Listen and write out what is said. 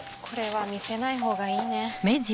これは見せないほうがいいね。